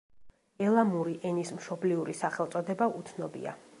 ელამური ენის მშობლიური სახელწოდება უცნობია.